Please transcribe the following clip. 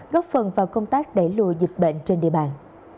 góp phần vào công tác đẩy lùi dịch bệnh trên địa bàn